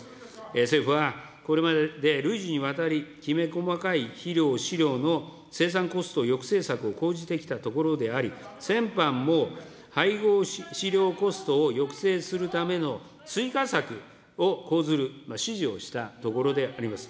政府はこれまで累次にわたり、きめ細かい肥料、飼料の生産コスト抑制策を講じてきたところであり、先般も配合飼料コストを抑制するための追加策を講ずる指示をしたところであります。